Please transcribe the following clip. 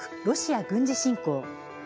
ロシア軍事侵攻」